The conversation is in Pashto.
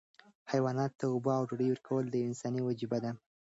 حیواناتو ته اوبه او ډوډۍ ورکول یوه انساني وجیبه ده.